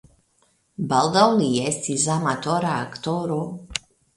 Baldaŭ li estis amatora aktoro.